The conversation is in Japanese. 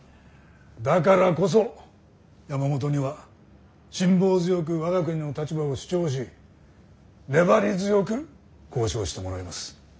だからこそ山本には辛抱強く我が国の立場を主張し粘り強く交渉をしてもらいます。